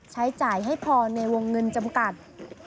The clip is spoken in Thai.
ใช้จ่ายให้พอในวงเงินจำกัด